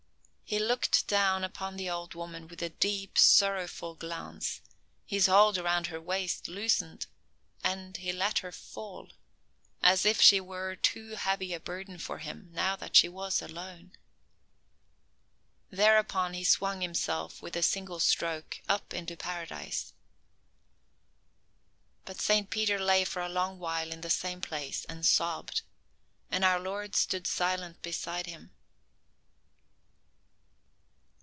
He looked down upon the old woman with a deep, sorrowful glance; his hold around her waist loosened, and he let her fall, as if she were too heavy a burden for him, now that she was alone. Thereupon he swung himself with a single stroke up into Paradise. But Saint Peter lay for a long while in the same place, and sobbed, and our Lord stood silent beside him.